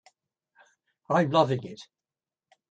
I'm loving it.